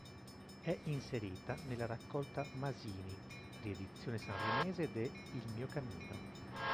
È inserita nella raccolta "Masini", riedizione sanremese de "...il mio cammino".